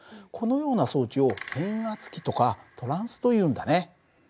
このような装置を変圧器とかトランスというんだね。